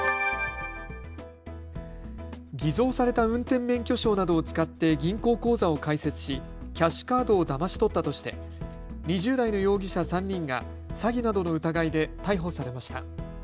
偽造された運転免許証などを使って銀行口座を開設しキャッシュカードをだまし取ったとして２０代の容疑者３人が詐欺などの疑いで逮捕されました。